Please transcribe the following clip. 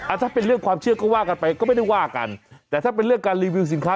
ถ้าเป็นเรื่องความเชื่อก็ว่ากันไปก็ไม่ได้ว่ากันแต่ถ้าเป็นเรื่องการรีวิวสินค้า